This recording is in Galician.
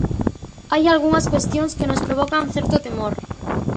Hai algunhas cuestións que nos provocan certo temor.